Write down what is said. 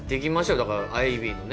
だからアイビーのね